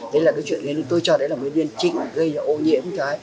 đấy là cái chuyện tôi cho là nguyên nhân chính gây ô nhiễm